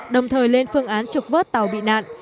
đồng thời lên phương án trục vớt tàu bị nạn